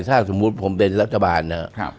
ถ้าสมมุติผมเป็นรัฐบาลนะครับ